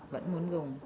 vẫn muốn dùng